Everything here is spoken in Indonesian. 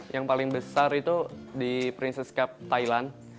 yang paling besar itu di princess cup thailand